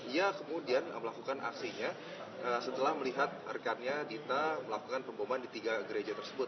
ia kemudian melakukan aksinya setelah melihat rekannya dita melakukan pemboman di tiga gereja tersebut